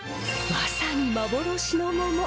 まさに幻のモモ。